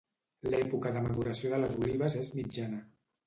L'època de maduració de les olives és mitjana.